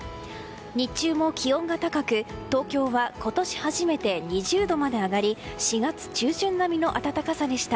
日中も気温が高く東京は今年初めて２０度まで上がり４月中旬並みの暖かさでした。